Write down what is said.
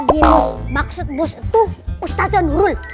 iya bos maksud bos itu ustazah nurul